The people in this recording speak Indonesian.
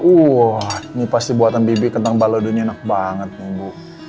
ini pasti buatan bibir kentang balado enak banget nih bu